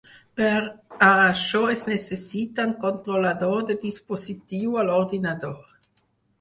Per a això es necessita un controlador de dispositiu a l'ordinador.